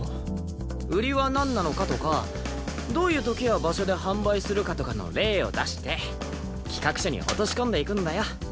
売りはなんなのかとかどういう時や場所で販売するかとかの例を出して企画書に落とし込んでいくんだよ。